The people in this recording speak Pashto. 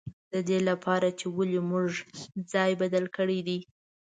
د دې له پاره چې ولې موږ ځای بدل کړی دی.